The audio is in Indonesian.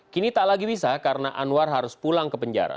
kini tak lagi bisa karena anwar harus pulang ke penjara